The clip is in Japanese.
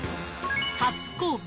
初公開！